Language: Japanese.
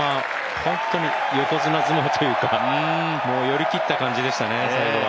本当に横綱相撲というかもう寄り切った感じでしたね。